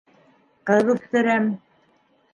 Ҡыҙ үҫтерәм!